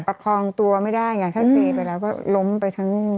ประคองตัวไม่ได้ถ้าอยู่เลยล้มไป